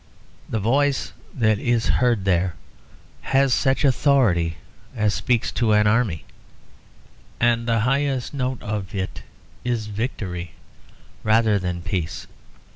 The voice that is heard there has such authority as speaks to an army; and the highest note of it is victory rather than peace.